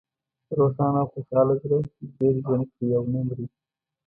روښانه او خوشحاله زړه ډېر ژوند کوي او نه مری.